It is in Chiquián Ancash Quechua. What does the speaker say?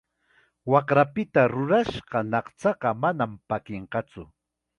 Waqrapita rurashqa ñaqchaqa manam pakikantsu.